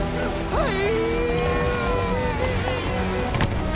はい！